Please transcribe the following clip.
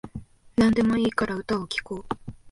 なんでもいいから歌を聴こう